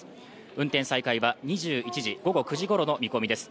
運転再開は２１時、午後９時ごろの見込みです。